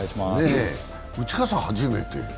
内川さん、初めて。